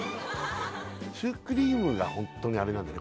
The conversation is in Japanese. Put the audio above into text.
シュークリームがホントにあれなんだね